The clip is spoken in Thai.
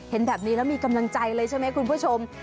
เห็นแบบนี้แล้วมีกำลังใจเลยใช่ไหมคุณผู้ชม